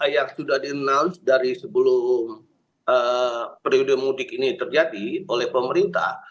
yang sudah di announce dari sebelum periode mudik ini terjadi oleh pemerintah